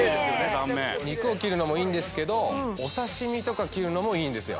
断面肉を切るのもいいんですけどお刺身とか切るのもいいんですよ